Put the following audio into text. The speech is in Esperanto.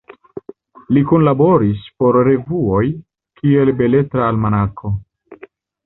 Li kunlaboris por revuoj, kiel Beletra Almanako.